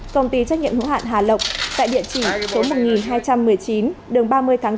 công ty trách nhiệm hữu hạn hà lộc tại địa chỉ số một nghìn hai trăm một mươi chín đường ba mươi tháng bốn